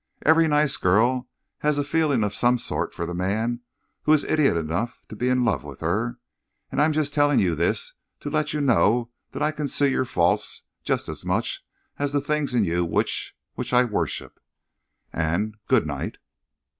"Every nice girl has a feeling of some sort for the man who is idiot enough to be in love with her. I am just telling you this to let you know that I can see your faults just as much as the things in you which which I worship. And good night!"...